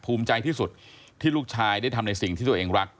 ภูมิใจที่สุดที่ลูกชายได้ทำในสิ่งที่ตัวเองรัก